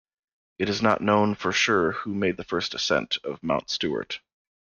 It is not known for sure who made the first ascent of Mount Stuart.